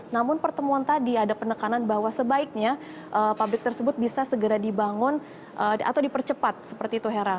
namun pertemuan tadi ada penekanan bahwa sebaiknya pabrik tersebut bisa segera dibangun atau dipercepat seperti itu hera